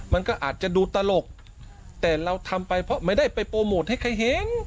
มันก็อาจจะดูตลกแต่เราทำไปเพราะไม่ได้ไปโปรโมทให้ใครเห็น